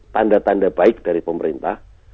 tanda tanda baik dari pemerintah